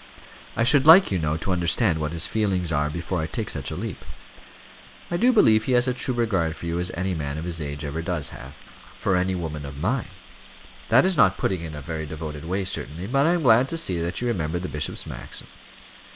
I should like, you know, to understand what his feelings are before I take such a leap." "I do believe he has as true a regard for you as any man of his age ever does have " "For any woman of mine. That is not putting it in a very devoted way certainly; but I am glad to see that you remember the bishop's maxim."